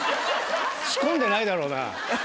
仕込んでないだろうな？